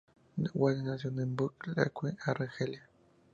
Wagner nació en Bab El Oued, Argelia.